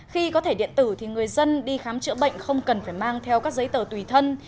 khi có thẻ điện tử thì người dân đi khám chữa bệnh không cần phải mang theo các giấy tờ tùy thân